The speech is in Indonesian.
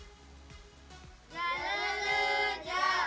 ayo cari tahu melalui website www indonesia travel